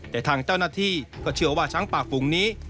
แต่ทางเจ้าหน้าที่ก็เชื่อว่าช้างป่าฝูงนี้